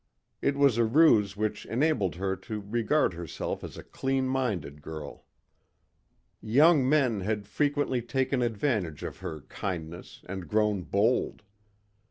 It was a ruse which enabled her to regard herself as a clean minded girl. Young men had frequently taken advantage of her kindness and grown bold.